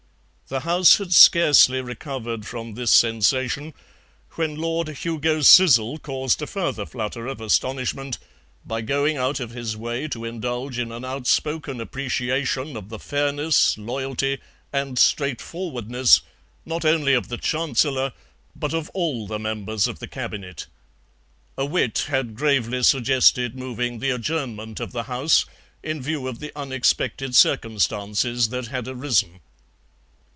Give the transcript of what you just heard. The House had scarcely recovered from this sensation when Lord Hugo Sizzle caused a further flutter of astonishment by going out of his way to indulge in an outspoken appreciation of the fairness, loyalty, and straightforwardness not only of the Chancellor, but of all the members of the Cabinet. A wit had gravely suggested moving the adjournment of the House in view of the unexpected circumstances that had arisen.